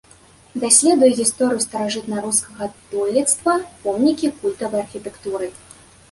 Даследуе гісторыю старажытнарускага дойлідства, помнікі культавай архітэктуры.